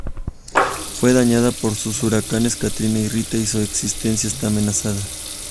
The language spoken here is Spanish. Fue dañada por los huracanes Katrina y Rita y su existencia está amenazada.